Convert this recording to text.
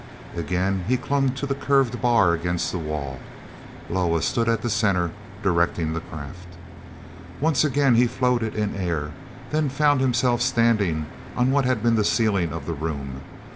Again he clung to the curved bar against the wall. Loah stood at the center, directing the craft. Once again he floated in air, then found himself standing on what had been the ceiling of the room.